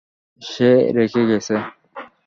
সে রেখে গেছে।